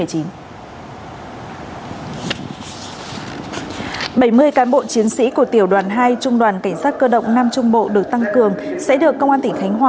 bảy mươi cán bộ chiến sĩ của tiểu đoàn hai trung đoàn cảnh sát cơ động nam trung bộ được tăng cường sẽ được công an tỉnh khánh hòa